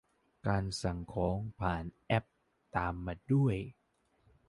การสั่งของผ่านแอป ตามมาด้วย